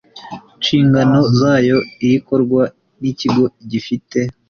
nshingano zayo irikorwa n Ikigo gifite